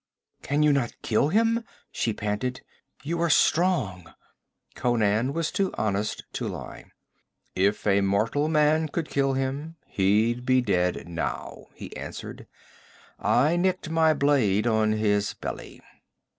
'Can you not kill him?' she panted. 'You are strong.' Conan was too honest to lie. 'If a mortal man could kill him, he'd be dead now,' he answered. 'I nicked my blade on his belly.'